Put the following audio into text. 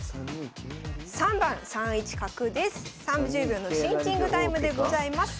３０秒のシンキングタイムでございます。